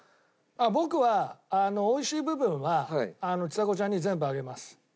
僕はおいしい部分はちさ子ちゃんに全部あげます。